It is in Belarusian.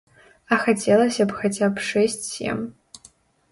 А хацелася б хаця б шэсць-сем.